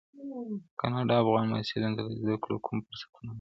کاناډا افغان محصلینو ته د زده کړو کوم فرصتونه برابروي؟